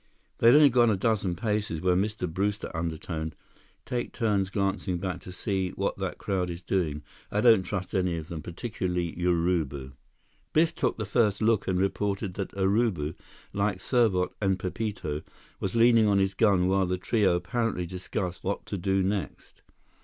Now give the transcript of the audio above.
They had only gone a dozen paces, when Mr. Brewster undertoned: "Take turns glancing back to see what that crowd is doing. I don't trust any of them, particularly Urubu." Biff took the first look and reported that Urubu, like Serbot and Pepito, was leaning on his gun while the trio apparently discussed what to do next.